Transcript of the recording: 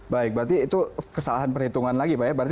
baik berarti itu kesalahan perhitungan lagi pak ya berarti